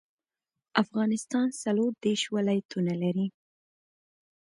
افغانستان څلور ديرش ولايتونه لري